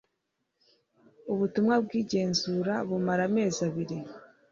ubutumwa bw igenzura bumara amezi abiri